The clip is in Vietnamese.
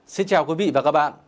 xin chào quý vị và các bạn